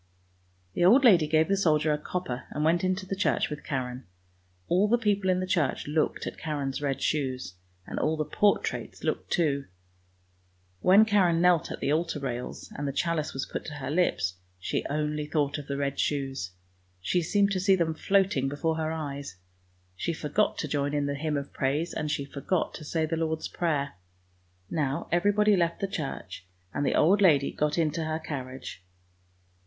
The old lady gave the soldier a copper and went into the church with Karen. All the people in the church looked at Karen's red shoes, and all the portraits looked too. ^When Karen knelt at the altar rails and the chalice was put to her lips, she only thought of the red shoes; she seemed to see them floating before her eyes. She forgot to join in the hymn of praise, and she forgot to say the Lord's Prayer. Now even body left the church, and the old lady got into her carriage.